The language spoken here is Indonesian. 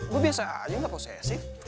gue biasa aja nggak posesif